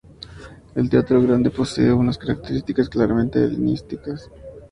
El Teatro grande posee unas características claramente helenísticas.